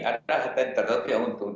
ada yang tertentu yang untung